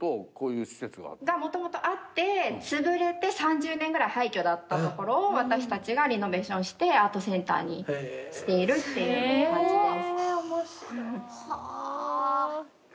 元々あってつぶれて３０年ぐらい廃墟だった所を私たちがリノベーションしてアートセンターにしているっていう感じです。